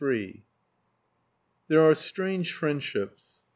III There are strange friendships.